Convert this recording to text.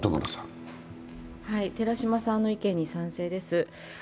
寺島さんの意見に賛成です。